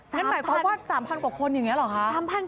หมายความว่า๓๐๐กว่าคนอย่างนี้เหรอคะ